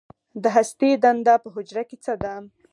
د هستې دنده په حجره کې څه ده